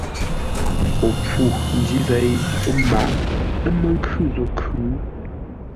O pfû ndǐ zěi ə́ mǎʼ, ə́ mə́ nkhʉ̂ zô khʉ̌.